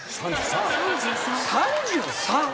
３３！？